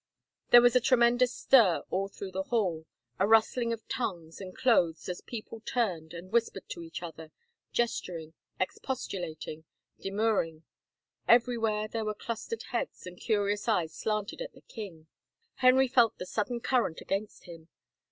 There was a tremendous stir all through the hall, a rustling of tongues and clothes as people turned and whispered to each other, gesturing, expostulating, demur ring ... everywhere there were clustered heads and curious eyes slanted at the king. ... Henry felt the sud den current against him.